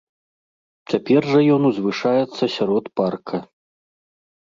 Цяпер жа ён узвышаецца сярод парка.